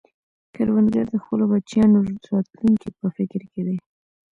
کروندګر د خپلو بچیانو راتلونکې په فکر کې دی